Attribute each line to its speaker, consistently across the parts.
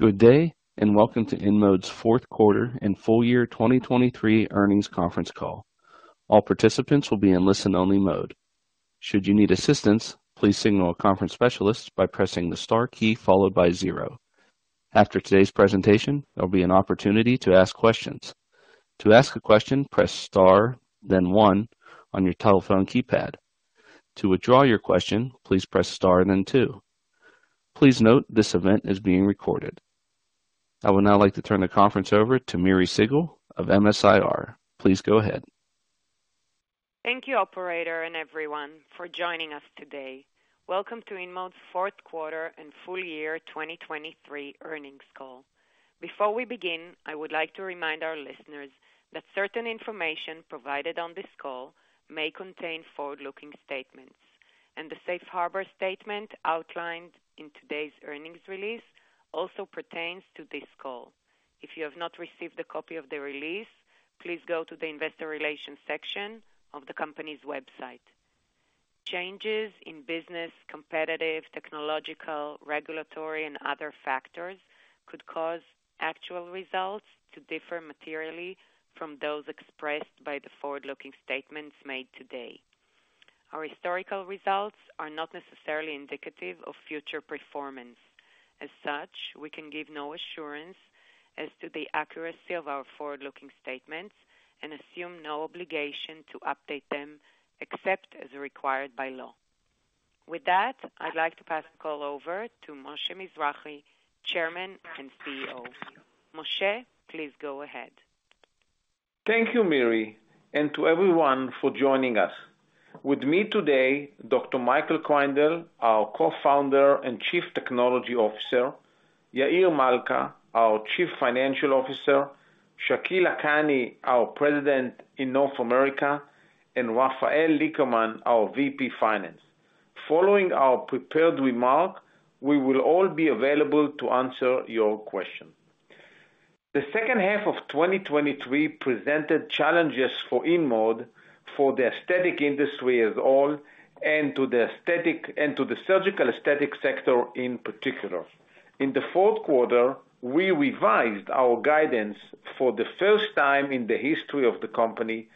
Speaker 1: Good day and welcome to InMode's fourth quarter and full year 2023 earnings conference call. All participants will be in listen-only mode. Should you need assistance, please signal a conference specialist by pressing the star key followed by one. After today's presentation, there'll be an opportunity to ask questions. To ask a question, press star then one on your telephone keypad. To withdraw your question, please press star then two. Please note this event is being recorded. I would now like to turn the conference over to Miri Segal of MS-IR. Please go ahead.
Speaker 2: Thank you, operator, and everyone, for joining us today. Welcome to InMode's fourth quarter and full year 2023 earnings call. Before we begin, I would like to remind our listeners that certain information provided on this call may contain forward-looking statements, and the Safe Harbor statement outlined in today's earnings release also pertains to this call. If you have not received a copy of the release, please go to the investor relations section of the company's website. Changes in business, competitive, technological, regulatory, and other factors could cause actual results to differ materially from those expressed by the forward-looking statements made today. Our historical results are not necessarily indicative of future performance. As such, we can give no assurance as to the accuracy of our forward-looking statements and assume no obligation to update them except as required by law. With that, I'd like to pass the call over to Moshe Mizrahy, Chairman and CEO. Moshe, please go ahead.
Speaker 3: Thank you, Miri, and to everyone for joining us. With me today, Dr. Michael Kreindel, our Co-founder and Chief Technology Officer, Yair Malca, our Chief Financial Officer, Shakil Lakhani, our President in North America, and Rafael Lickerman, our VP Finance. Following our prepared remark, we will all be available to answer your questions. The second half of 2023 presented challenges for InMode and the aesthetic industry as well and to the surgical aesthetic sector in particular. In the fourth quarter, we revised our guidance for the first time in the history of the company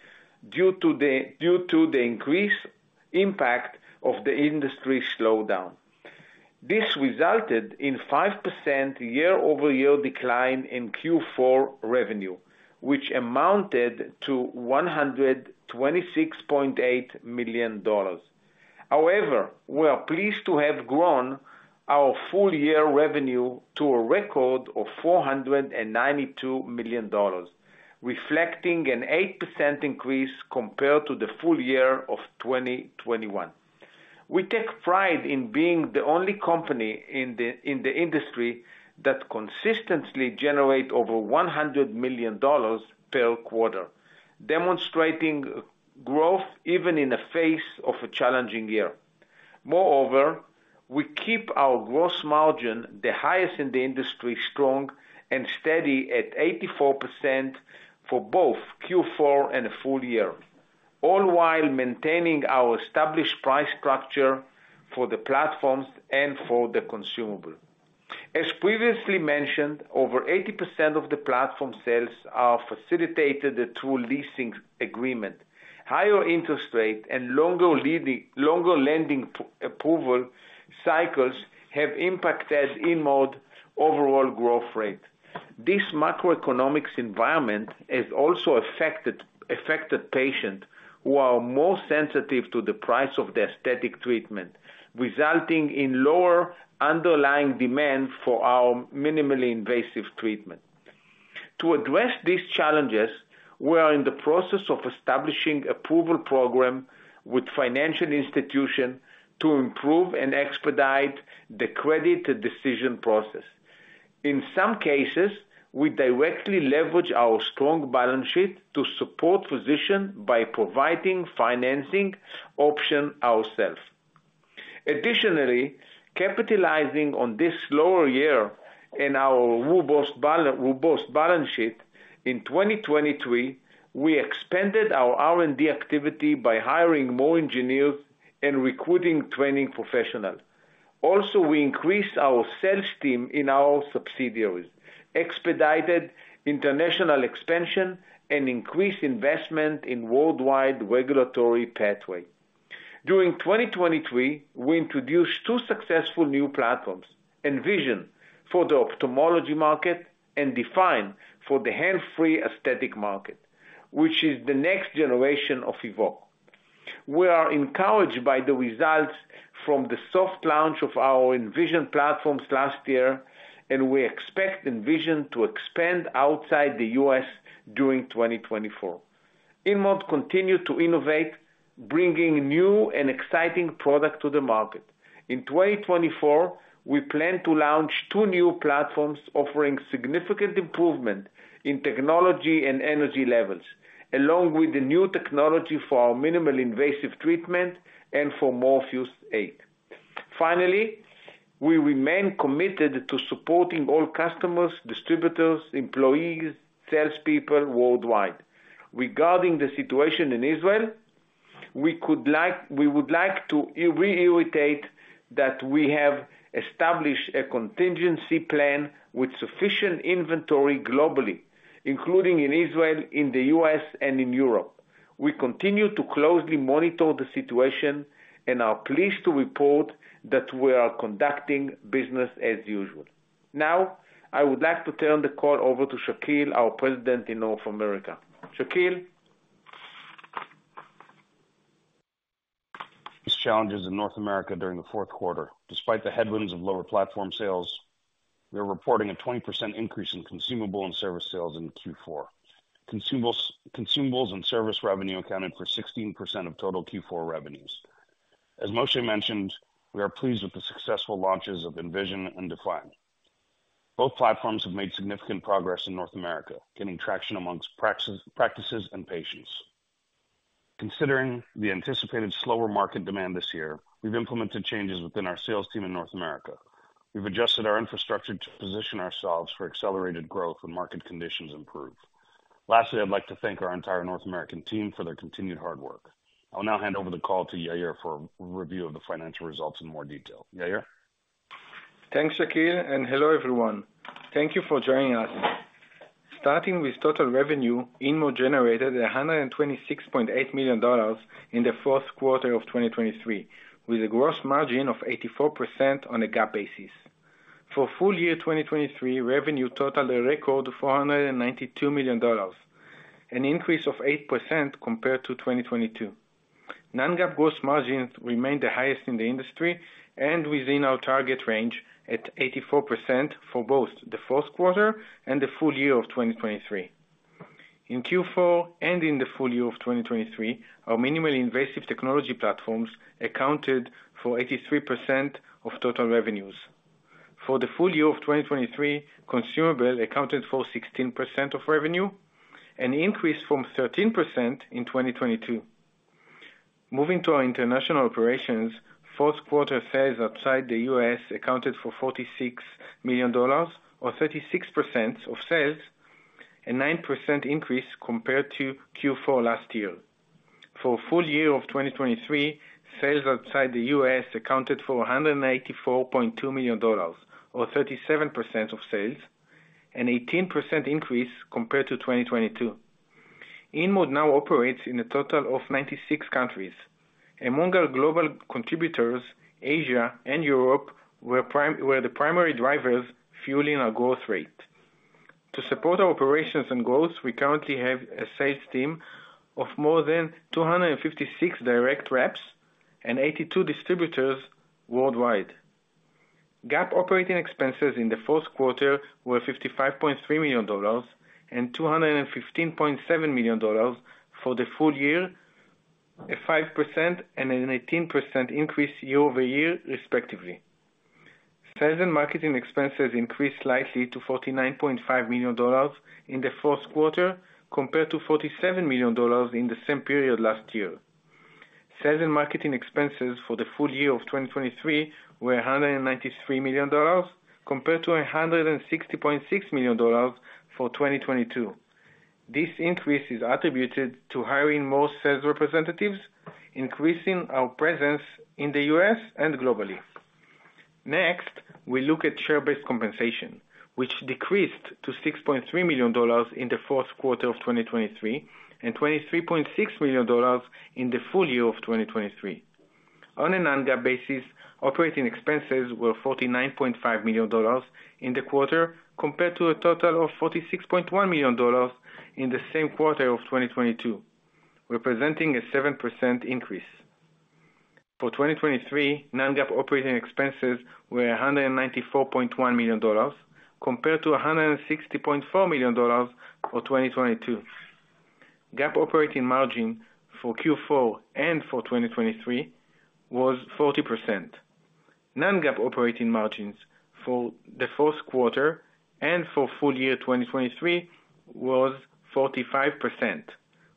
Speaker 3: due to the increased impact of the industry slowdown. This resulted in 5% year-over-year decline in Q4 revenue, which amounted to $126.8 million. However, we are pleased to have grown our full year revenue to a record of $492 million, reflecting an 8% increase compared to the full year of 2021. We take pride in being the only company in the industry that consistently generates over $100 million per quarter, demonstrating growth even in the face of a challenging year. Moreover, we keep our gross margin, the highest in the industry, strong and steady at 84% for both Q4 and full year, all while maintaining our established price structure for the platforms and for the consumables. As previously mentioned, over 80% of the platform sales are facilitated through leasing agreements. Higher interest rates and longer lending approval cycles have impacted InMode's overall growth rate. This macroeconomic environment has also affected patients who are more sensitive to the price of the aesthetic treatment, resulting in lower underlying demand for our minimally invasive treatment. To address these challenges, we are in the process of establishing approval programs with financial institutions to improve and expedite the credit decision process. In some cases, we directly leverage our strong balance sheet to support physicians by providing financing options ourselves. Additionally, capitalizing on this slower year in our robust balance sheet, in 2023, we expanded our R&D activity by hiring more engineers and recruiting training professionals. Also, we increased our sales team in our subsidiaries, expedited international expansion, and increased investment in the worldwide regulatory pathway. During 2023, we introduced two successful new platforms: Envision for the ophthalmology market and Define for the hands-free aesthetic market, which is the next generation of Evoke. We are encouraged by the results from the soft launch of our Envision platforms last year, and we expect Envision to expand outside the U.S. during 2024. InMode continues to innovate, bringing new and exciting products to the market. In 2024, we plan to launch two new platforms offering significant improvements in technology and energy levels, along with the new technology for our minimally invasive treatment and for Morpheus8. Finally, we remain committed to supporting all customers, distributors, employees, and salespeople worldwide. Regarding the situation in Israel, we would like to reiterate that we have established a contingency plan with sufficient inventory globally, including in Israel, in the U.S., and in Europe. We continue to closely monitor the situation and are pleased to report that we are conducting business as usual. Now, I would like to turn the call over to Shakil, our President in North America. Shakil?
Speaker 4: These challenges in North America during the fourth quarter, despite the headwinds of lower platform sales, we are reporting a 20% increase in consumables and service sales in Q4. Consumables and service revenue accounted for 16% of total Q4 revenues. As Moshe mentioned, we are pleased with the successful launches of Envision and Define. Both platforms have made significant progress in North America, gaining traction amongst practices and patients. Considering the anticipated slower market demand this year, we've implemented changes within our sales team in North America. We've adjusted our infrastructure to position ourselves for accelerated growth when market conditions improve. Lastly, I'd like to thank our entire North American team for their continued hard work. I will now hand over the call to Yair for a review of the financial results in more detail. Yair?
Speaker 5: Thanks, Shakil, and hello everyone. Thank you for joining us. Starting with total revenue, InMode generated $126.8 million in the fourth quarter of 2023, with a gross margin of 84% on a GAAP basis. For full year 2023, revenue totaled a record $492 million, an increase of 8% compared to 2022. Non-GAAP gross margins remained the highest in the industry and within our target range at 84% for both the fourth quarter and the full year of 2023. In Q4 and in the full year of 2023, our minimally invasive technology platforms accounted for 83% of total revenues. For the full year of 2023, consumables accounted for 16% of revenue, an increase from 13% in 2022. Moving to our international operations, fourth quarter sales outside the U.S. accounted for $46 million, or 36% of sales, a 9% increase compared to Q4 last year. For full year of 2023, sales outside the U.S. accounted for $184.2 million, or 37% of sales, an 18% increase compared to 2022. InMode now operates in a total of 96 countries. Among our global contributors, Asia and Europe were the primary drivers fueling our growth rate. To support our operations and growth, we currently have a sales team of more than 256 direct reps and 82 distributors worldwide. GAAP operating expenses in the fourth quarter were $55.3 million and $215.7 million for the full year, a 5% and an 18% increase year-over-year, respectively. Sales and marketing expenses increased slightly to $49.5 million in the fourth quarter compared to $47 million in the same period last year. Sales and marketing expenses for the full year of 2023 were $193 million compared to $160.6 million for 2022. This increase is attributed to hiring more sales representatives, increasing our presence in the U.S. and globally. Next, we look at share-based compensation, which decreased to $6.3 million in the fourth quarter of 2023 and $23.6 million in the full year of 2023. On a non-GAAP basis, operating expenses were $49.5 million in the quarter compared to a total of $46.1 million in the same quarter of 2022, representing a 7% increase. For 2023, non-GAAP operating expenses were $194.1 million compared to $160.4 million for 2022. GAAP operating margin for Q4 and for 2023 was 40%. Non-GAAP operating margins for the fourth quarter and for full year 2023 were 45%,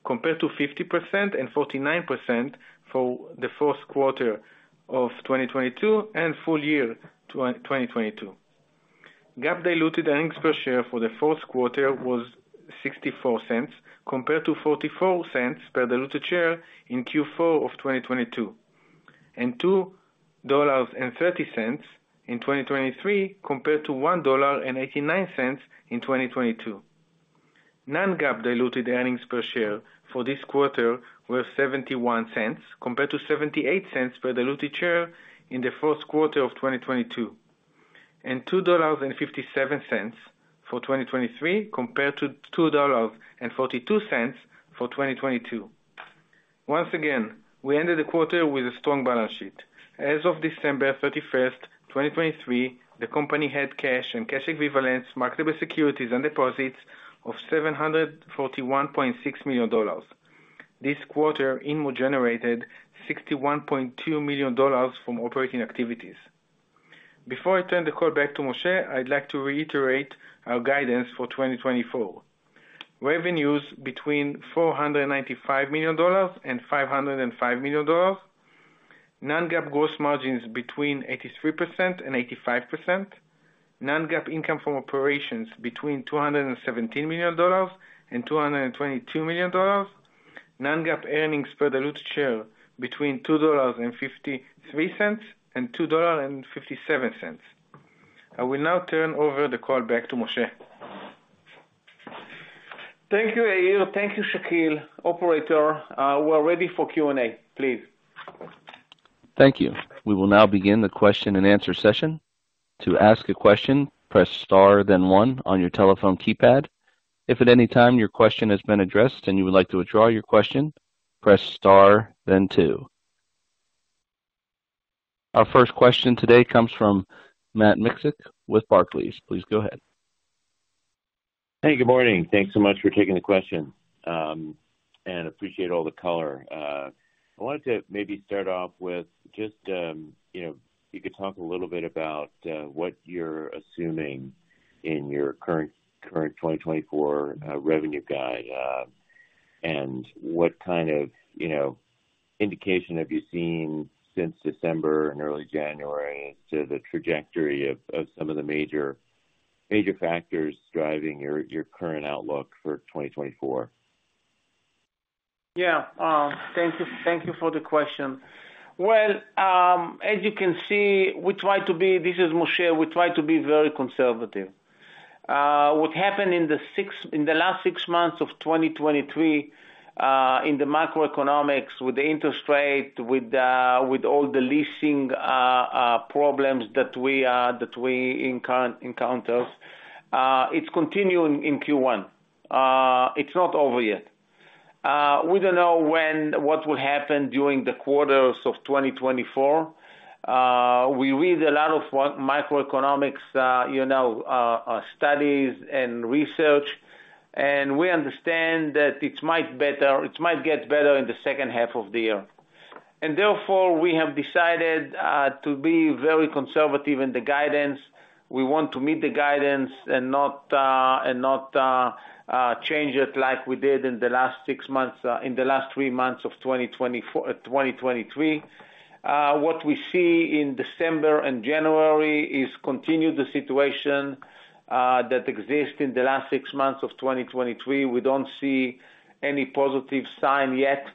Speaker 5: compared to 50% and 49% for the fourth quarter of 2022 and full year 2022. GAAP diluted earnings per share for the fourth quarter was $0.64, compared to $0.44 per diluted share in Q4 of 2022, and $2.30 in 2023 compared to $1.89 in 2022. Non-GAAP diluted earnings per share for this quarter were $0.71, compared to $0.78 per diluted share in the fourth quarter of 2022, and $2.57 for 2023 compared to $2.42 for 2022. Once again, we ended the quarter with a strong balance sheet. As of December 31st, 2023, the company had cash and cash equivalents, marketable securities, and deposits of $741.6 million. This quarter, InMode generated $61.2 million from operating activities. Before I turn the call back to Moshe, I'd like to reiterate our guidance for 2024: revenues between $495 million-$505 million, non-GAAP gross margins between 83%-85%, non-GAAP income from operations between $217 million-$222 million, non-GAAP earnings per diluted share between $2.53-$2.57. I will now turn over the call back to Moshe.
Speaker 3: Thank you, Yair. Thank you, Shakil, operator. We're ready for Q&A. Please.
Speaker 1: Thank you. We will now begin the question and answer session. To ask a question, press star then one on your telephone keypad. If at any time your question has been addressed and you would like to withdraw your question, press star then two. Our first question today comes from Matt Miksic with Barclays. Please go ahead.
Speaker 6: Hey, good morning. Thanks so much for taking the question, and appreciate all the color. I wanted to maybe start off with just, you know, if you could talk a little bit about what you're assuming in your current 2024 revenue guide and what kind of, you know, indication have you seen since December and early January as to the trajectory of some of the major factors driving your current outlook for 2024?
Speaker 3: Yeah. Thank you. Thank you for the question. Well, as you can see, we try to be. This is Moshe. We try to be very conservative. What happened in the last six months of 2023 in the macroeconomics with the interest rate, with all the leasing problems that we encounter, it's continuing in Q1. It's not over yet. We don't know when what will happen during the quarters of 2024. We read a lot of microeconomics, you know, studies and research, and we understand that it might get better in the second half of the year. And therefore, we have decided to be very conservative in the guidance. We want to meet the guidance and not change it like we did in the last three months of 2023. What we see in December and January is continue the situation that exists in the last six months of 2023. We don't see any positive sign yet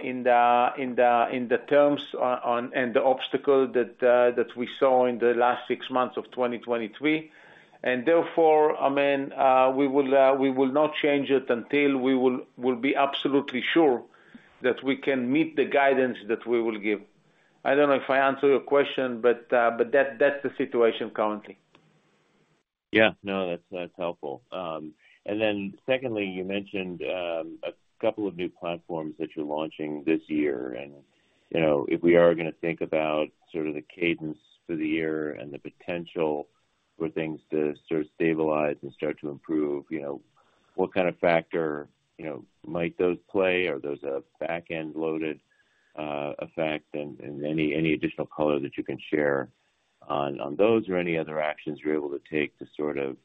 Speaker 3: in the terms of the obstacle that we saw in the last six months of 2023. And therefore, I mean, we will not change it until we will be absolutely sure that we can meet the guidance that we will give. I don't know if I answered your question, but that's the situation currently.
Speaker 6: Yeah. No, that's helpful. And then secondly, you mentioned a couple of new platforms that you're launching this year. And, you know, if we are going to think about sort of the cadence for the year and the potential for things to sort of stabilize and start to improve, you know, what kind of factor, you know, might those play? Are those a backend-loaded effect and any additional color that you can share on those or any other actions you're able to take to sort of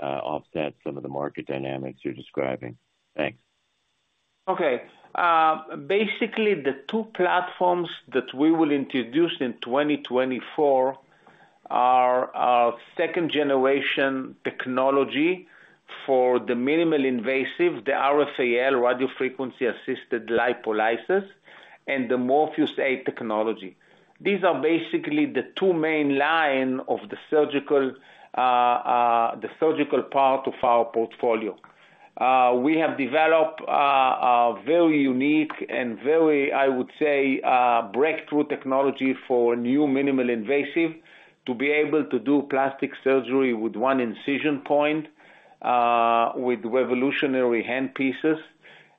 Speaker 6: offset some of the market dynamics you're describing? Thanks.
Speaker 3: Okay. Basically, the two platforms that we will introduce in 2024 are our second-generation technology for the minimally invasive, the RFAL, radiofrequency-assisted lipolysis, and the Morpheus8 technology. These are basically the two main lines of the surgical part of our portfolio. We have developed a very unique and very, I would say, breakthrough technology for new minimally invasive to be able to do plastic surgery with one incision point with revolutionary handpieces.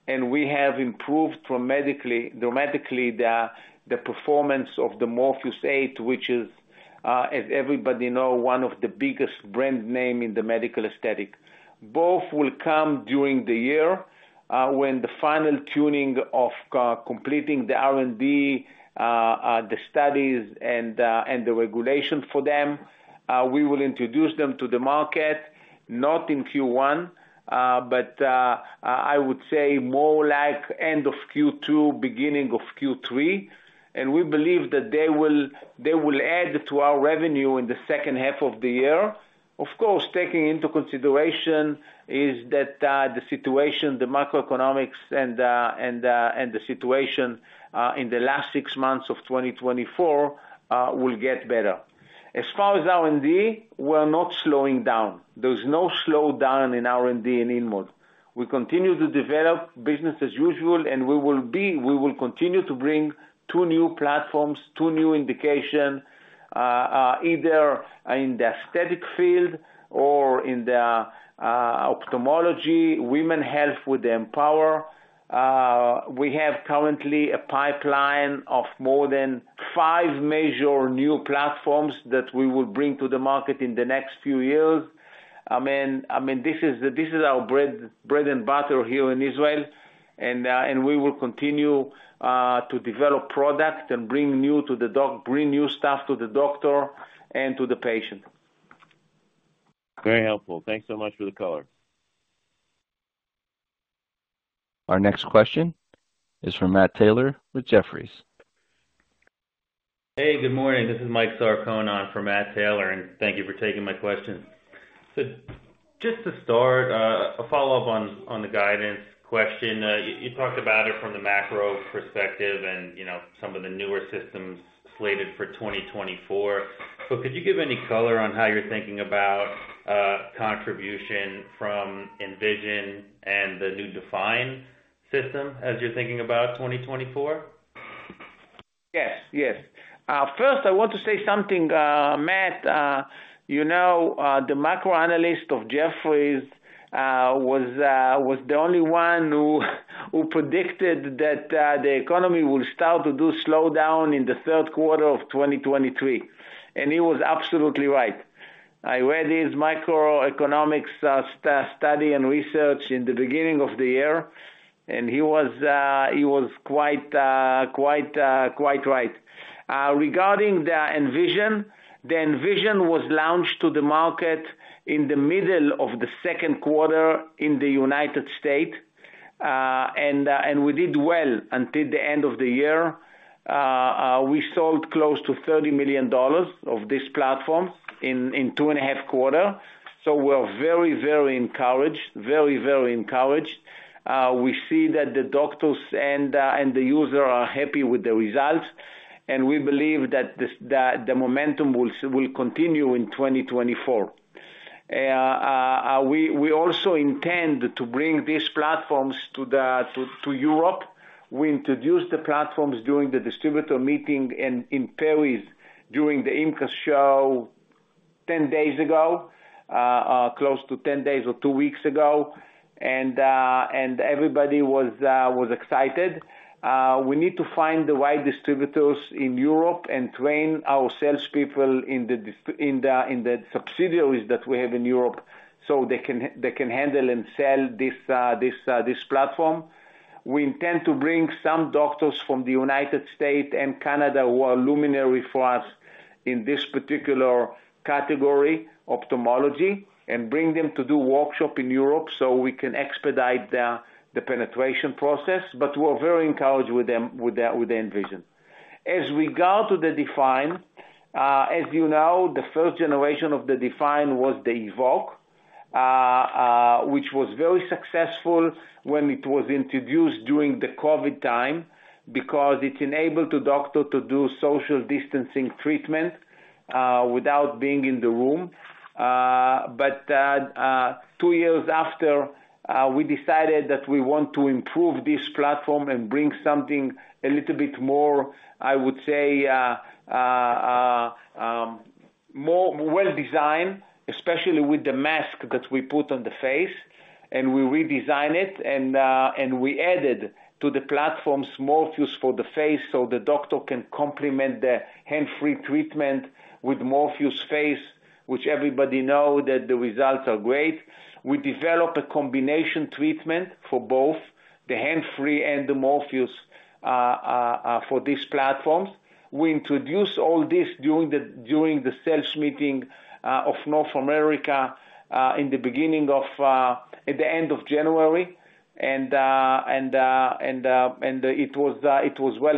Speaker 3: And we have improved dramatically the performance of the Morpheus8, which is, as everybody know, one of the biggest brand names in the medical aesthetic. Both will come during the year when the final tuning of completing the R&D, the studies, and the regulation for them. We will introduce them to the market, not in Q1, but I would say more like end of Q2, beginning of Q3. We believe that they will add to our revenue in the second half of the year. Of course, taking into consideration is that the situation, the macroeconomics, and the situation in the last six months of 2024 will get better. As far as R&D, we're not slowing down. There's no slowdown in R&D in InMode. We continue to develop business as usual, and we will continue to bring two new platforms, two new indications, either in the aesthetic field or in the ophthalmology, women health with Empower. We have currently a pipeline of more than five major new platforms that we will bring to the market in the next few years. I mean, this is the this is our bread and butter here in Israel. We will continue to develop product and bring new stuff to the doctor and to the patient.
Speaker 6: Very helpful. Thanks so much for the color.
Speaker 1: Our next question is from Matt Taylor with Jefferies.
Speaker 7: Hey, good morning. This is Mike Sarcone from Matt Taylor, and thank you for taking my question. So just to start, a follow-up on the guidance question. You talked about it from the macro perspective and, you know, some of the newer systems slated for 2024. So could you give any color on how you're thinking about contribution from Envision and the new Define system as you're thinking about 2024?
Speaker 3: Yes. Yes. First, I want to say something, Matt. You know, the macroanalyst of Jefferies was the only one who predicted that the economy will start to do slowdown in the third quarter of 2023. He was absolutely right. I read his microeconomics study and research in the beginning of the year, and he was quite right. Regarding the Envision, the Envision was launched to the market in the middle of the second quarter in the United States, and we did well until the end of the year. We sold close to $30 million of this platform in two and a half quarters. So we're very, very encouraged, very, very encouraged. We see that the doctors and the user are happy with the results, and we believe that the momentum will continue in 2024. We also intend to bring these platforms to Europe. We introduced the platforms during the distributor meeting in Paris during the IMCAS show 10 days ago, close to 10 days or two weeks ago. Everybody was excited. We need to find the right distributors in Europe and train our salespeople in the subsidiaries that we have in Europe so they can handle and sell this platform. We intend to bring some doctors from the United States and Canada who are luminary for us in this particular category, ophthalmology, and bring them to do workshop in Europe so we can expedite the penetration process. But we're very encouraged with the Envision. As regards the Define, as you know, the first generation of the Define was the Evoke, which was very successful when it was introduced during the COVID time because it enabled the doctor to do social distancing treatment without being in the room. But two years after, we decided that we want to improve this platform and bring something a little bit more, I would say, more well-designed, especially with the mask that we put on the face. And we redesigned it, and we added to the platforms Morpheus for the face so the doctor can complement the hands-free treatment with Morpheus face, which everybody knows that the results are great. We developed a combination treatment for both the hands-free and the Morpheus for these platforms. We introduced all this during the sales meeting of North America at the end of January, and it was well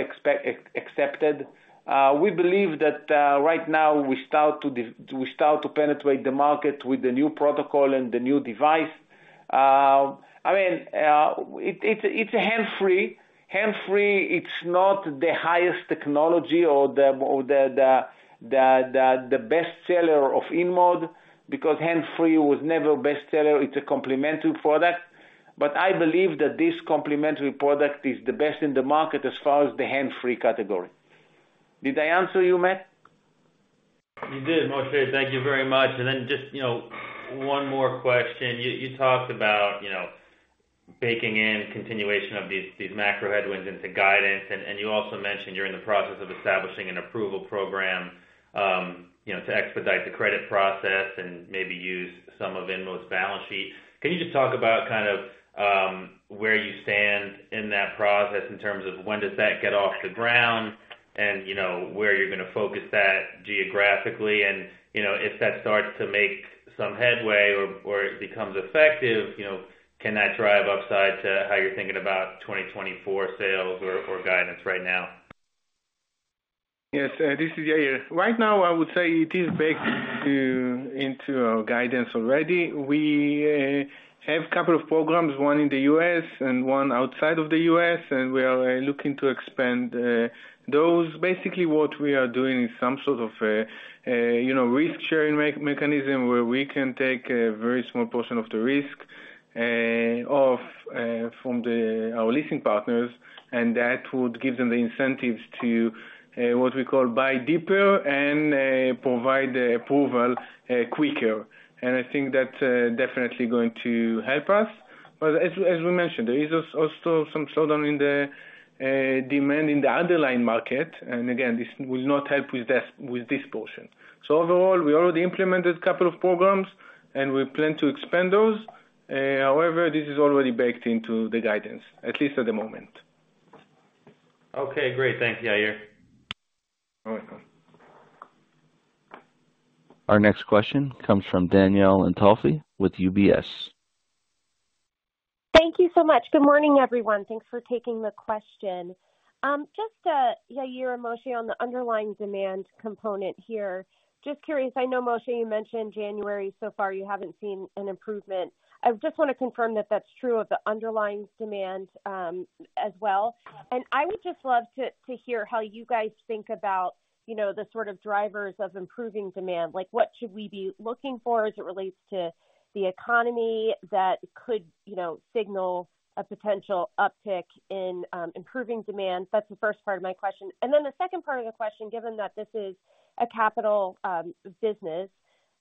Speaker 3: accepted. We believe that right now we start to penetrate the market with the new protocol and the new device. I mean, it's a hands-free. Hands-free, it's not the highest technology or the bestseller of InMode because hands-free was never bestseller. It's a complementary product. But I believe that this complementary product is the best in the market as far as the hands-free category. Did I answer you, Matt?
Speaker 7: You did, Moshe. Thank you very much. And then just, you know, one more question. You talked about, you know, baking in continuation of these these macro headwinds into guidance, and you also mentioned you're in the process of establishing an approval program, you know, to expedite the credit process and maybe use some of InMode's balance sheet. Can you just talk about kind of where you stand in that process in terms of when does that get off the ground and, you know, where you're going to focus that geographically? And, you know, if that starts to make some headway or or it becomes effective, you know, can that drive upside to how you're thinking about 2024 sales or or guidance right now?
Speaker 5: Yes. This is Yair. Right now, I would say it is baked into our guidance already. We have a couple of programs, one in the U.S. and one outside of the U.S., and we are looking to expand those. Basically, what we are doing is some sort of a, you know, risk-sharing mechanism where we can take a very small portion of the risk from our leasing partners, and that would give them the incentives to what we call buy deeper and provide the approval quicker. And I think that's definitely going to help us. But as we mentioned, there is also some slowdown in the demand in the underlying market. And again, this will not help with this portion. So overall, we already implemented a couple of programs, and we plan to expand those. However, this is already baked into the guidance, at least at the moment.
Speaker 7: Okay. Great. Thanks, Yair.
Speaker 5: You're welcome.
Speaker 1: Our next question comes from Danielle Antalffy with UBS.
Speaker 8: Thank you so much. Good morning, everyone. Thanks for taking the question. Just Yair and Moshe on the underlying demand component here. Just curious, I know, Moshe, you mentioned January. So far, you haven't seen an improvement. I just want to confirm that that's true of the underlying demand as well. And I would just love to hear how you guys think about, you know, the sort of drivers of improving demand. Like, what should we be looking for as it relates to the economy that could, you know, signal a potential uptick in improving demand? That's the first part of my question. And then the second part of the question, given that this is a capital business,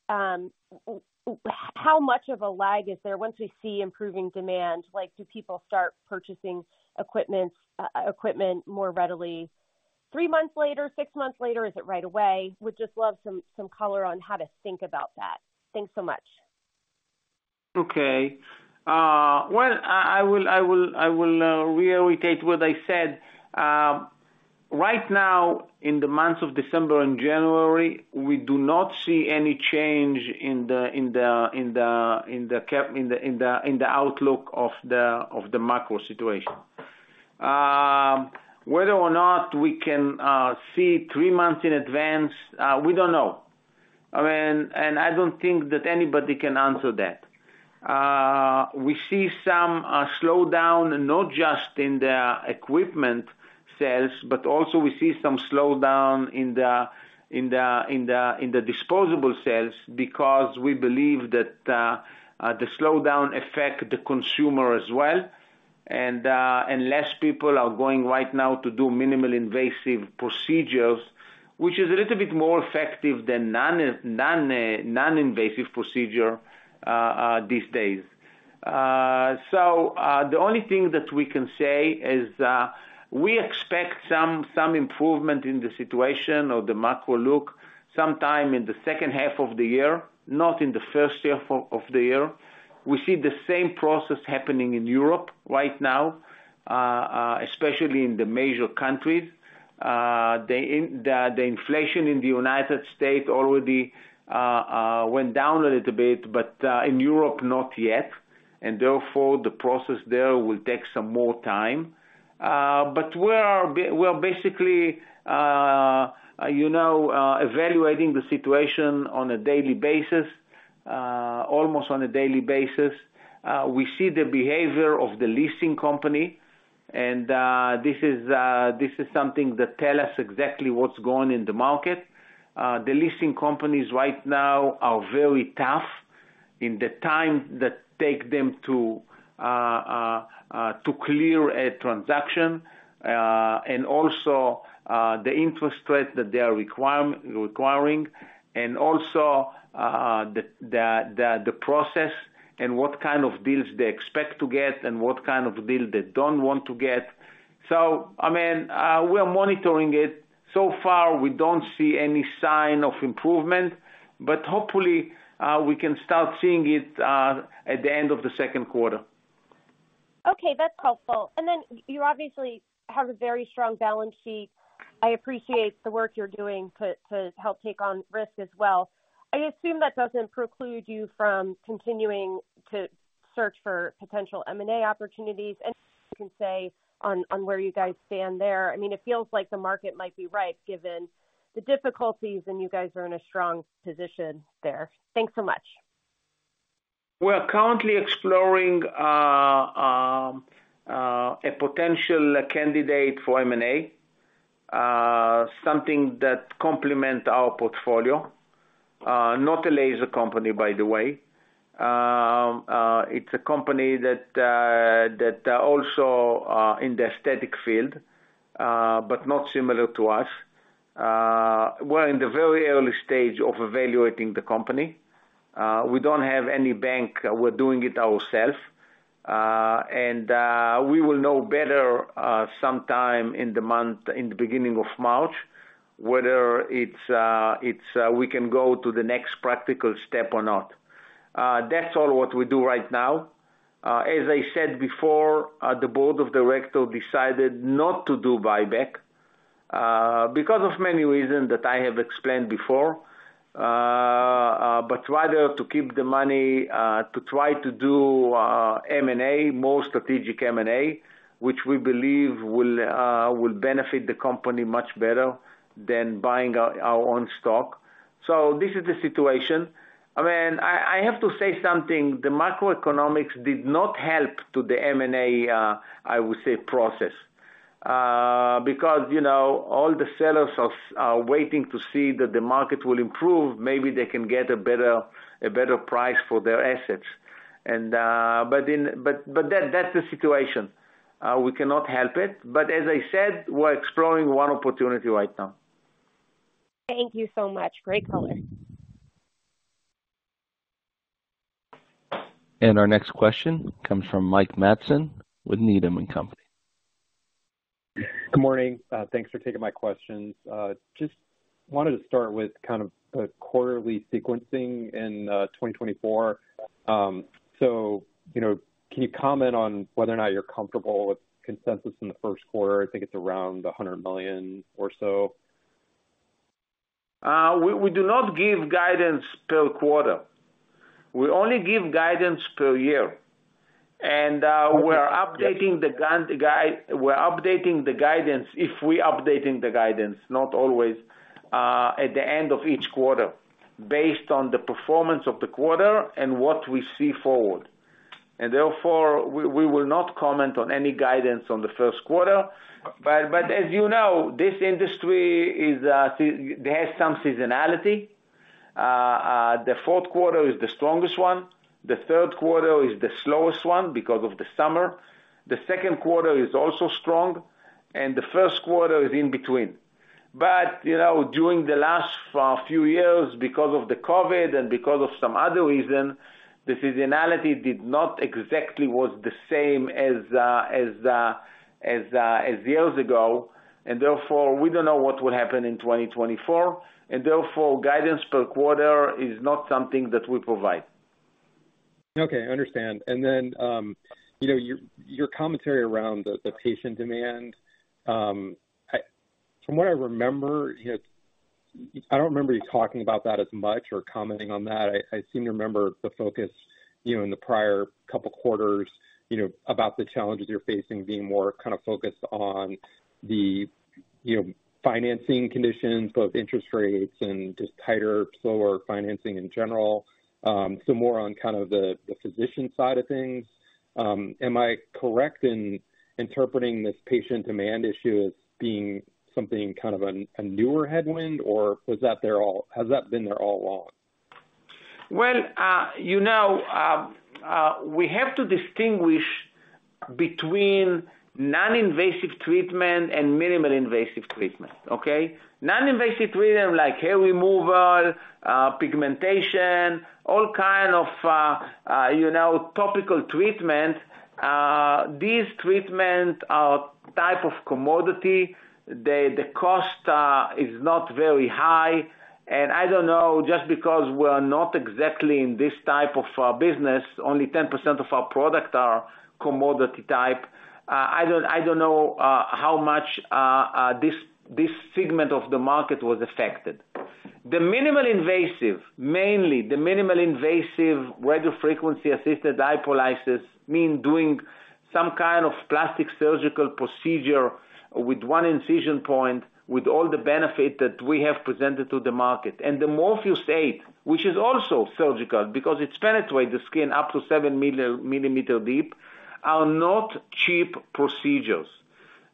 Speaker 8: how much of a lag is there once we see improving demand? Like, do people start purchasing equipment more readily three months later, six months later, or is it right away? Would just love some color on how to think about that. Thanks so much.
Speaker 3: Okay. Well, I will reiterate what I said. Right now, in the months of December and January, we do not see any change in the outlook of the macro situation. Whether or not we can see three months in advance, we don't know. I mean, and I don't think that anybody can answer that. We see some slowdown, not just in the equipment sales, but also we see some slowdown in the disposable sales because we believe that the slowdown affects the consumer as well. And less people are going right now to do minimally invasive procedures, which is a little bit more effective than non-invasive procedure these days. The only thing that we can say is we expect some improvement in the situation or the macro look sometime in the second half of the year, not in the first half of the year. We see the same process happening in Europe right now, especially in the major countries. The inflation in the United States already went down a little bit, but in Europe, not yet. And therefore, the process there will take some more time. But we're basically, you know, evaluating the situation on a daily basis, almost on a daily basis. We see the behavior of the leasing company, and this is something that tells us exactly what's going on in the market. The leasing companies right now are very tough in the time that takes them to clear a transaction and also the interest rate that they are requiring and also the process and what kind of deals they expect to get and what kind of deal they don't want to get. So I mean, we're monitoring it. So far, we don't see any sign of improvement, but hopefully, we can start seeing it at the end of the second quarter.
Speaker 8: Okay. That's helpful. And then you obviously have a very strong balance sheet. I appreciate the work you're doing to help take on risk as well. I assume that doesn't preclude you from continuing to search for potential M&A opportunities. And can say on where you guys stand there. I mean, it feels like the market might be ripe given the difficulties, and you guys are in a strong position there. Thanks so much.
Speaker 3: We're currently exploring a potential candidate for M&A, something that complements our portfolio. Not a laser company, by the way. It's a company that are also in the aesthetic field but not similar to us. We're in the very early stage of evaluating the company. We don't have any bank. We're doing it ourselves. We will know better sometime in the month in the beginning of March whether it's we can go to the next practical step or not. That's all what we do right now. As I said before, the board of directors decided not to do buyback because of many reasons that I have explained before, but rather to keep the money to try to do M&A, more strategic M&A, which we believe will benefit the company much better than buying our own stock. This is the situation. I mean, I have to say something. The macroeconomics did not help to the M&A, I would say, process because, you know, all the sellers are waiting to see that the market will improve. Maybe they can get a better a better price for their assets. But that's the situation. We cannot help it. But as I said, we're exploring one opportunity right now.
Speaker 8: Thank you so much. Great color.
Speaker 1: Our next question comes from Mike Matson with Needham & Company.
Speaker 9: Good morning. Thanks for taking my questions. Just wanted to start with kind of the quarterly sequencing in 2024. So, you know, can you comment on whether or not you're comfortable with consensus in the first quarter? I think it's around $100 million or so.
Speaker 3: We do not give guidance per quarter. We only give guidance per year. And we're updating the guidance, not always, at the end of each quarter based on the performance of the quarter and what we see forward. And therefore, we will not comment on any guidance on the first quarter. But as you know, this industry, it has some seasonality. The fourth quarter is the strongest one. The third quarter is the slowest one because of the summer. The second quarter is also strong, and the first quarter is in between. But, you know, during the last few years, because of the COVID and because of some other reason, the seasonality did not exactly was the same as years ago. And therefore, we don't know what will happen in 2024. Therefore, guidance per quarter is not something that we provide.
Speaker 9: Okay. I understand. And then, you know, your commentary around the patient demand, from what I remember, you know, I don't remember you talking about that as much or commenting on that. I seem to remember the focus, you know, in the prior couple of quarters, you know, about the challenges you're facing being more kind of focused on the, you know, financing conditions, both interest rates and just tighter, slower financing in general, so more on kind of the physician side of things. Am I correct in interpreting this patient demand issue as being something kind of a newer headwind, or was that there all along, or has that been there all along?
Speaker 3: Well, you know, we have to distinguish between non-invasive treatment and minimally invasive treatment, okay? Non-invasive treatment like hair removal, pigmentation, all kind of, you know, topical treatments. These treatments are type of commodity. The cost is not very high. And I don't know, just because we're not exactly in this type of business, only 10% of our product are commodity type, I don't know how much this segment of the market was affected. The minimally invasive, mainly the minimally invasive radiofrequency-assisted lipolysis means doing some kind of plastic surgical procedure with one incision point with all the benefit that we have presented to the market. And the Morpheus8, which is also surgical because it penetrates the skin up to 7 mm deep, are not cheap procedures.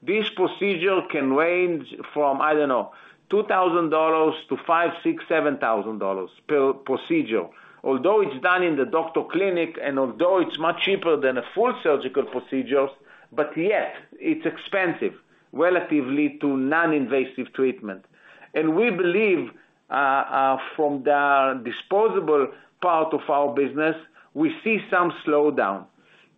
Speaker 3: This procedure can range from, I don't know, $2,000 to $5,000-$7,000 per procedure, although it's done in the doctor clinic and although it's much cheaper than a full surgical procedure, but yet it's expensive relatively to non-invasive treatment. We believe, from the disposable part of our business, we see some slowdown,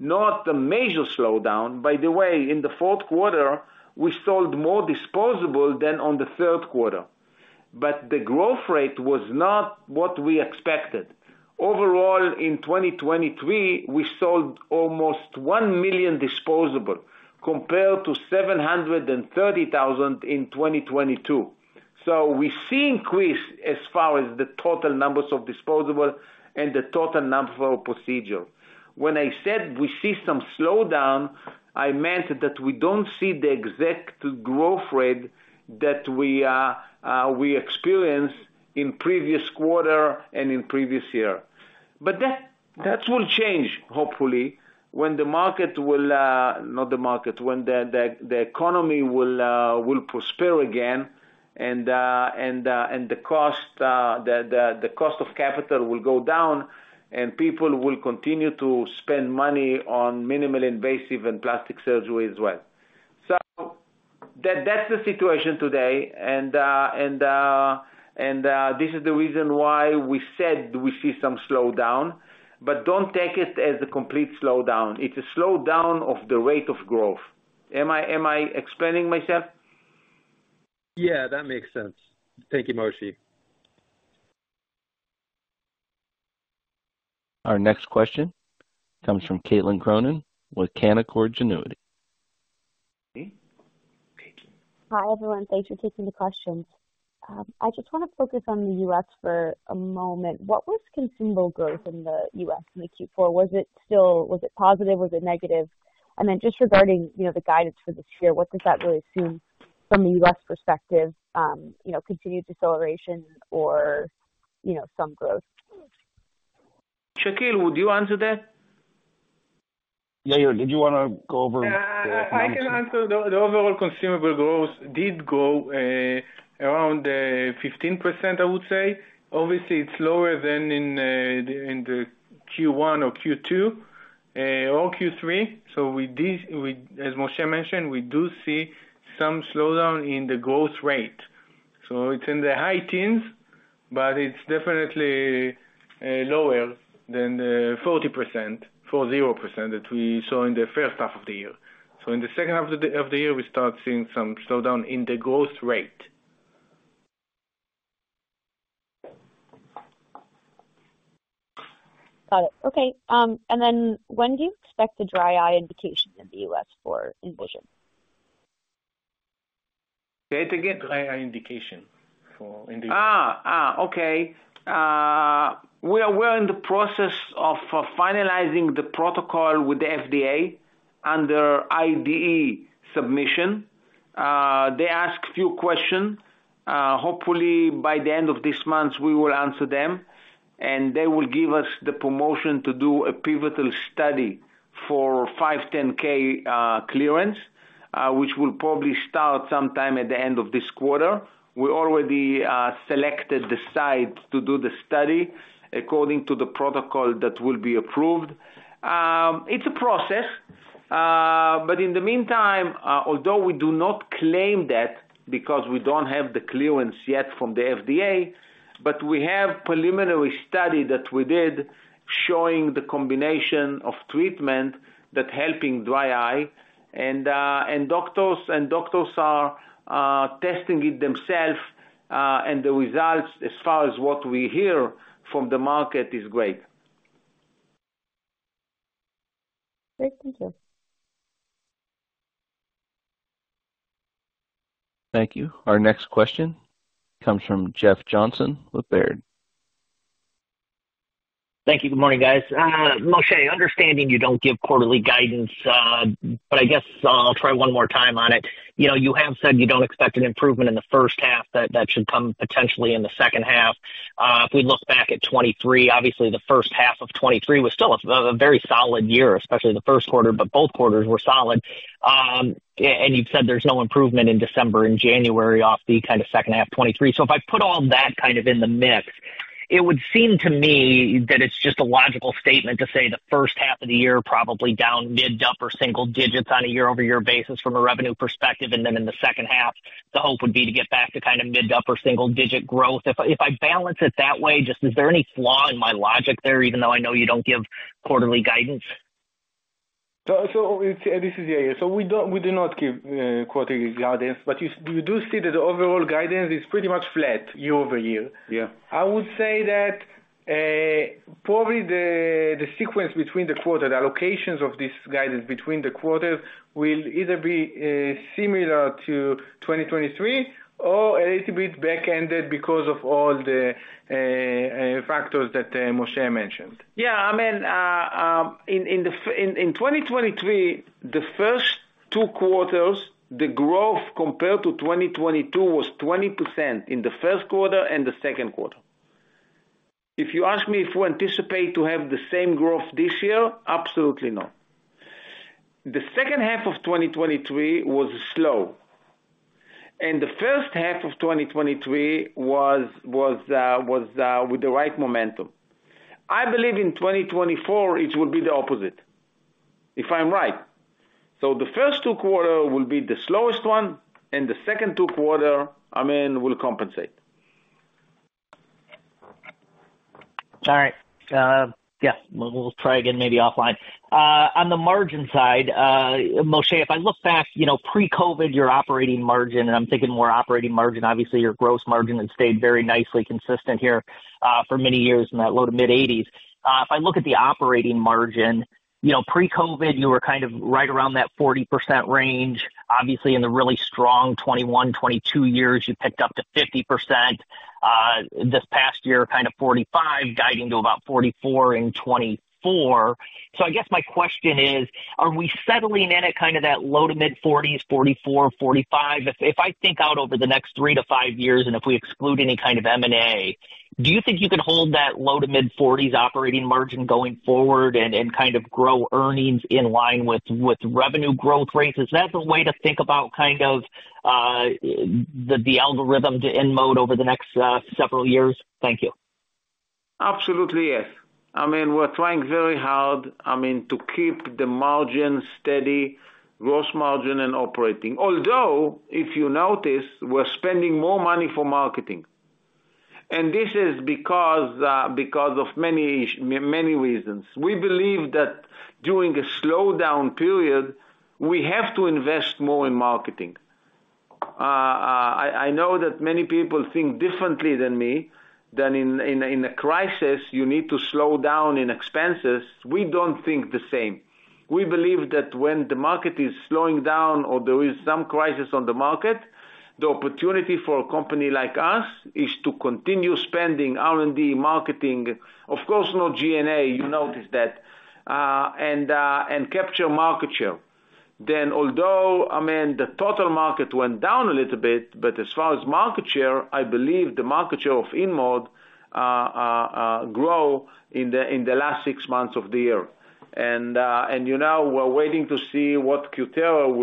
Speaker 3: not a major slowdown. By the way, in the fourth quarter, we sold more disposable than in the third quarter. The growth rate was not what we expected. Overall, in 2023, we sold almost 1 million disposable compared to 730,000 in 2022. We see increase as far as the total numbers of disposable and the total number of procedures. When I said we see some slowdown, I meant that we don't see the exact growth rate that we experienced in previous quarter and in previous year. But that will change, hopefully, when the economy will prosper again and the cost of capital will go down and people will continue to spend money on minimally invasive and plastic surgery as well. So that's the situation today. And this is the reason why we said we see some slowdown. But don't take it as a complete slowdown. It's a slowdown of the rate of growth. Am I explaining myself?
Speaker 9: Yeah. That makes sense. Thank you, Moshe.
Speaker 1: Our next question comes from Caitlin Cronin with Canaccord Genuity.
Speaker 10: Hi, everyone. Thanks for taking the questions. I just want to focus on the U.S. for a moment. What was consumable growth in the U.S. in the Q4? Was it still positive? Was it negative? And then just regarding, you know, the guidance for this year, what does that really assume from the U.S. perspective, you know, continued deceleration or, you know, some growth?
Speaker 3: Shakil, would you answer that?
Speaker 11: Yeah. Yeah. Did you want to go over the comment?
Speaker 4: I can answer. The overall consumable growth did go around 15%, I would say. Obviously, it's lower than in the Q1 or Q2 or Q3. So, as Moshe mentioned, we do see some slowdown in the growth rate. So it's in the high teens, but it's definitely lower than the 40%, 40% that we saw in the first half of the year. So in the second half of the year, we start seeing some slowdown in the growth rate.
Speaker 10: Got it. Okay. And then when do you expect the dry eye indication in the U.S. for Envision?
Speaker 3: Say it again.
Speaker 11: Dry eye indication for the U.S.?
Speaker 3: Okay. We are we're in the process of finalizing the protocol with the FDA under IDE submission. They ask a few questions. Hopefully, by the end of this month, we will answer them, and they will give us the permission to do a pivotal study for 510(k) clearance, which will probably start sometime at the end of this quarter. We already selected the site to do the study according to the protocol that will be approved. It's a process. But in the meantime, although we do not claim that because we don't have the clearance yet from the FDA, but we have preliminary study that we did showing the combination of treatment that helping dry eye. And doctors are testing it themselves, and the results as far as what we hear from the market is great.
Speaker 10: Great. Thank you.
Speaker 1: Thank you. Our next question comes from Jeff Johnson with Baird.
Speaker 12: Thank you. Good morning, guys. Moshe, understanding you don't give quarterly guidance, but I guess I'll try one more time on it. You know, you have said you don't expect an improvement in the first half that that should come potentially in the second half. If we look back at 2023, obviously, the first half of 2023 was still a very solid year, especially the first quarter, but both quarters were solid. And you've said there's no improvement in December and January off the kind of second half 2023. So if I put all that kind of in the mix, it would seem to me that it's just a logical statement to say the first half of the year probably down mid- to upper single digits on a year-over-year basis from a revenue perspective. And then in the second half, the hope would be to get back to kind of mid- to upper-single-digit growth. If I balance it that way, just, is there any flaw in my logic there, even though I know you don't give quarterly guidance?
Speaker 3: So this is the idea. We do not give quarterly guidance. But you do see that the overall guidance is pretty much flat year-over-year.
Speaker 11: Yeah.
Speaker 3: I would say that probably the sequence between the quarter, the allocations of this guidance between the quarters will either be similar to 2023 or a little bit back-ended because of all the factors that Moshe mentioned. Yeah. I mean, in 2023, the first two quarters, the growth compared to 2022 was 20% in the first quarter and the second quarter. If you ask me if we anticipate to have the same growth this year, absolutely not. The second half of 2023 was slow, and the first half of 2023 was with the right momentum. I believe in 2024, it will be the opposite if I'm right. So the first two quarter will be the slowest one, and the second two quarter, I mean, will compensate.
Speaker 12: All right. Yeah. We'll try again, maybe offline. On the margin side, Moshe, if I look back, you know, pre-COVID, your operating margin, and I'm thinking more operating margin. Obviously, your gross margin has stayed very nicely consistent here for many years in that low-to-mid 80s%. If I look at the operating margin, you know, pre-COVID, you were kind of right around that 40% range. Obviously, in the really strong 2021, 2022 years, you picked up to 50%. This past year, kind of 45%, guiding to about 44% in 2024. So I guess my question is, are we settling in at kind of that low-to-mid 40s%, 44%, 45%? If I think out over the next three to five years and if we exclude any kind of M&A, do you think you could hold that low- to mid-40s operating margin going forward and kind of grow earnings in line with revenue growth rates? Is that the way to think about kind of the algorithm to InMode over the next several years? Thank you.
Speaker 3: Absolutely, yes. I mean, we're trying very hard, I mean, to keep the margin steady, gross margin, and operating. Although, if you notice, we're spending more money for marketing. And this is because of many reasons. We believe that during a slowdown period, we have to invest more in marketing. I know that many people think differently than me in a crisis, you need to slow down in expenses. We don't think the same. We believe that when the market is slowing down or there is some crisis on the market, the opportunity for a company like us is to continue spending R&D, marketing, of course, not G&A, you notice that, and capture market share. Then although, I mean, the total market went down a little bit, but as far as market share, I believe the market share of InMode grow in the last six months of the year. And you know, we're waiting to see what Q4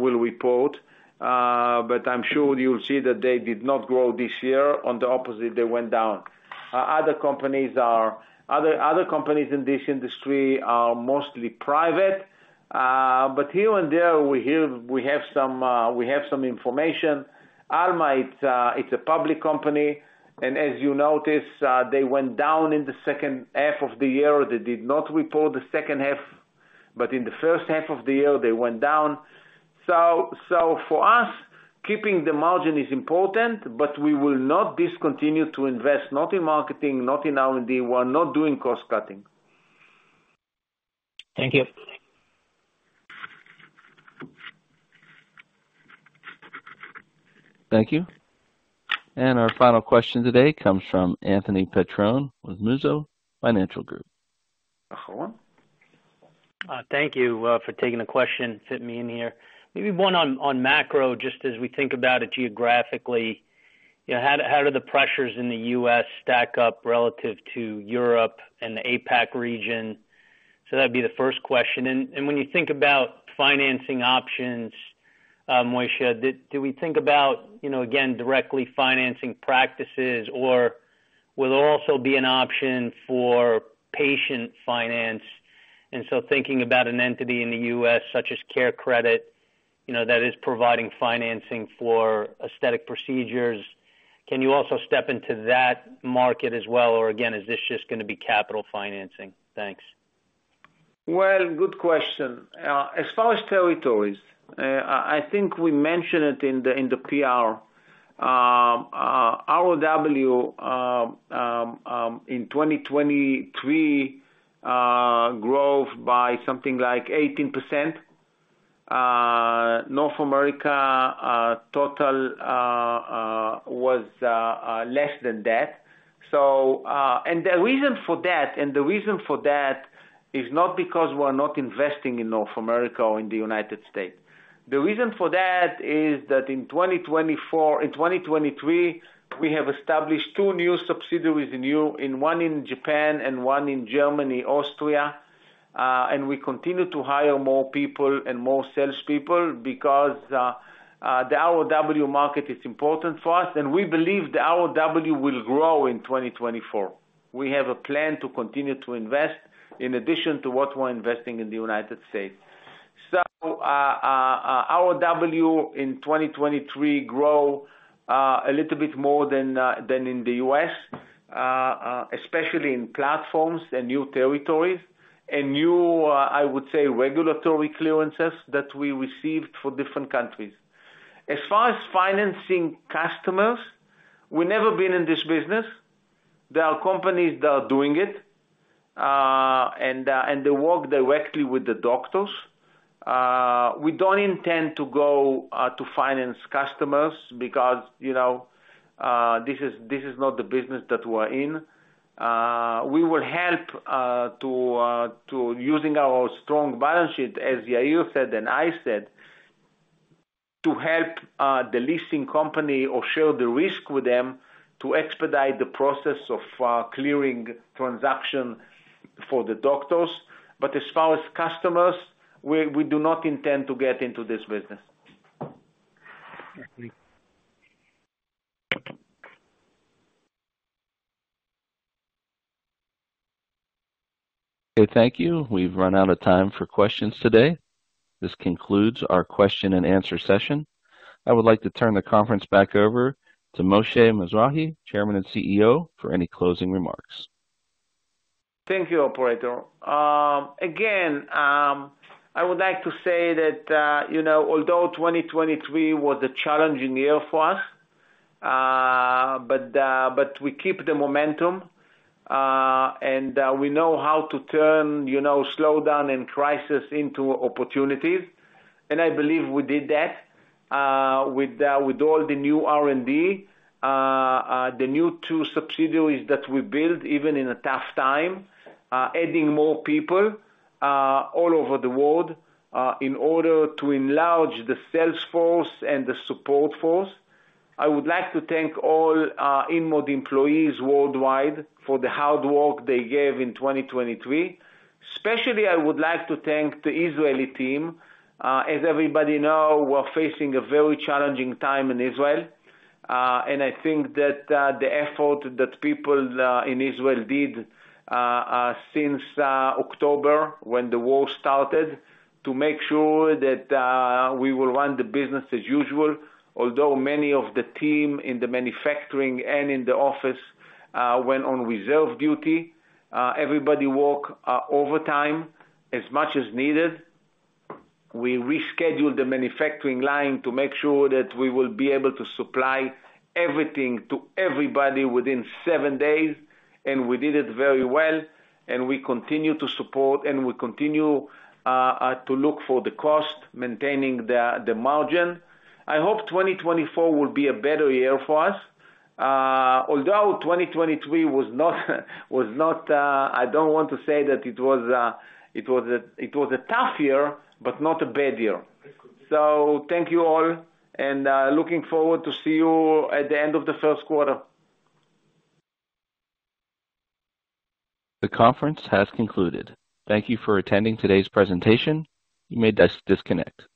Speaker 3: will report, but I'm sure you'll see that they did not grow this year. On the opposite, they went down. Other companies in this industry are mostly private. But here and there, we hear we have some information. Alma, it's a public company. And as you notice, they went down in the second half of the year. They did not report the second half, but in the first half of the year, they went down. So, for us, keeping the margin is important, but we will not discontinue to invest, not in marketing, not in R&D. We're not doing cost cutting.
Speaker 12: Thank you.
Speaker 1: Thank you. And our final question today comes from Anthony Petrone with Mizuho Financial Group.
Speaker 13: Thank you for taking the question. Fit me in here. Maybe one on macro, just as we think about it geographically. You know, how do the pressures in the U.S. stack up relative to Europe and the APAC region? So that would be the first question. And when you think about financing options, Moshe, do we think about, you know, again, directly financing practices, or will there also be an option for patient finance? And so thinking about an entity in the U.S. such as CareCredit, you know, that is providing financing for aesthetic procedures, can you also step into that market as well? Or again, is this just going to be capital financing? Thanks.
Speaker 3: Well, good question. As far as territories, I think we mentioned it in the PR. ROW in 2023 growth by something like 18%. North America total was less than that. So, the reason for that is not because we're not investing in North America or in the United States. The reason for that is that in 2023, we have established two new subsidiaries in Europe and one in Japan and one in Germany, Austria. And we continue to hire more people and more salespeople because the ROW market is important for us, and we believe the ROW will grow in 2024. We have a plan to continue to invest in addition to what we're investing in the United States. So ROW in 2023 grow a little bit more than in the U.S., especially in platforms and new territories and new, I would say, regulatory clearances that we received for different countries. As far as financing customers, we've never been in this business. There are companies that are doing it, and they work directly with the doctors. We don't intend to go to finance customers because, you know, this is not the business that we're in. We will help using our strong balance sheet, as Yair said and I said, to help the leasing company or share the risk with them to expedite the process of clearing transaction for the doctors. But as far as customers, we do not intend to get into this business.
Speaker 1: Okay. Thank you. We've run out of time for questions today. This concludes our question and answer session. I would like to turn the conference back over to Moshe Mizrahy, Chairman and CEO, for any closing remarks.
Speaker 3: Thank you, Operator. Again, I would like to say that, you know, although 2023 was a challenging year for us, but we keep the momentum, and we know how to turn, you know, slowdown and crisis into opportunities. I believe we did that with all the new R&D, the new two subsidiaries that we built even in a tough time, adding more people all over the world in order to enlarge the sales force and the support force. I would like to thank all InMode employees worldwide for the hard work they gave in 2023. Especially, I would like to thank the Israeli team. As everybody know, we're facing a very challenging time in Israel. I think that the effort that people in Israel did since October when the war started to make sure that we will run the business as usual, although many of the team in the manufacturing and in the office went on reserve duty, everybody worked overtime as much as needed. We rescheduled the manufacturing line to make sure that we will be able to supply everything to everybody within seven days, and we did it very well. We continue to support, and we continue to look for the cost, maintaining the margin. I hope 2024 will be a better year for us. Although 2023 was not, I don't want to say that it was a tough year, but not a bad year. So thank you all, and looking forward to see you at the end of the first quarter.
Speaker 1: The conference has concluded. Thank you for attending today's presentation. You may disconnect.